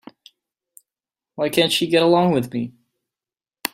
Why can't she get along with me?